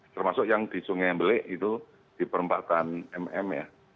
termasuk yang di sungai embelik itu di perempatan mm ya